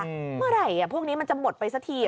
เมื่อไหร่พวกนี้มันจะหมดไปสักที